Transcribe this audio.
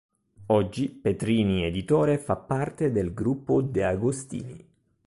Oggi Petrini Editore fa parte del Gruppo De Agostini.